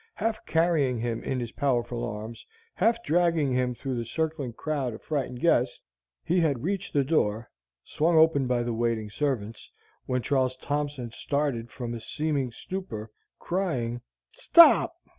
Half carrying him in his powerful arms, half dragging him through the circling crowd of frightened guests, he had reached the door, swung open by the waiting servants, when Charles Thompson started from a seeming stupor, crying, "Stop!"